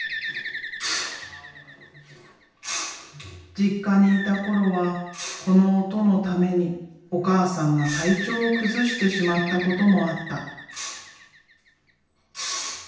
実家にいた頃はこの音のためにお母さんが体調を崩してしまったこともあった。